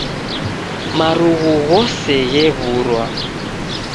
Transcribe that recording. Marughu ghose ghewurwa